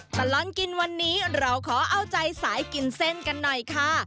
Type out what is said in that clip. ตลอดกินวันนี้เราขอเอาใจสายกินเส้นกันหน่อยค่ะ